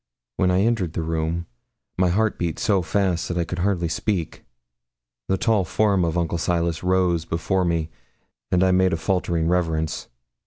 When I entered the room, my heart beat so fast that I could hardly speak. The tall form of Uncle Silas rose before me, and I made him a faltering reverence.